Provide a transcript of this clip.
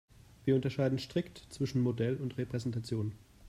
Wir unterscheiden strikt zwischen Modell und Repräsentation.